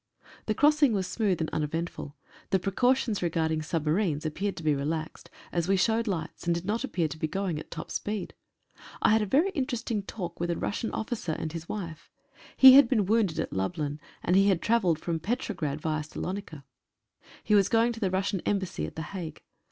The crossing was smooth and uneventful. The pre cautions re submarines appeared to be relaxed, as we showed lights and did not seen to be going at top speed. I had a very interesting talk with a Russian officer and his wife. He had been wounded at Lublin, and he had travelled from Petrograd, via Salonica. He was going to the Russian Embassy at the Hague.